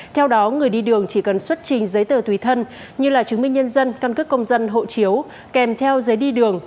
theo đó người đi đường chỉ cần xuất trình giấy tờ tùy thân như là chứng minh nhân dân căn cức công dân hộ chiếu kèm theo giấy đi đường